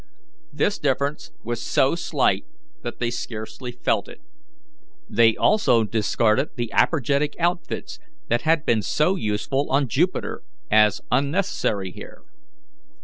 This difference was so slight that they scarcely felt it. They also discarded the apergetic outfits that had been so useful on Jupiter, as unnecessary here.